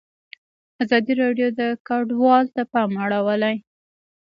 ازادي راډیو د کډوال ته پام اړولی.